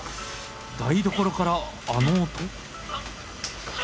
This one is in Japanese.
台所からあの音。